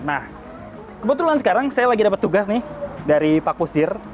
nah kebetulan sekarang saya lagi dapat tugas nih dari pak kusir